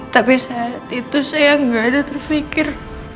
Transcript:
tapi saat itu saya nggak ada terfikir